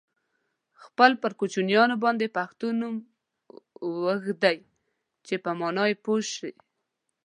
خپل پر کوچنیانو باندي پښتو نوم ویږدوی چې په مانا یې پوه سی.